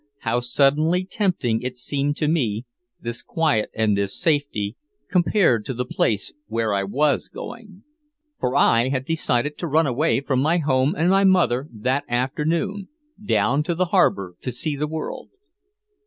How suddenly tempting it seemed to me, this quiet and this safety, compared to the place where I was going. For I had decided to run away from my home and my mother that afternoon, down to the harbor to see the world.